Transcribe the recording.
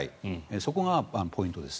そこがポイントです。